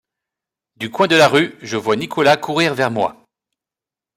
Du coin de la rue, je vois Nicolas courir vers moi.